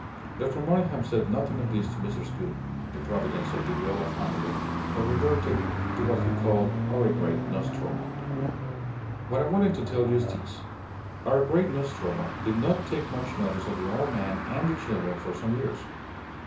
Dr. Monygham said nothing of this to Mrs. Gould, the providence of the Viola family, but reverted to what he called "our great Nostromo." "What I wanted to tell you is this: Our great Nostromo did not take much notice of the old man and the children for some years.